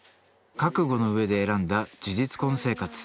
覚悟の上で選んだ事実婚生活。